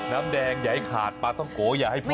น้ำแดงใหญ่ขาดปลาต้องโกหกอย่าให้พ่อ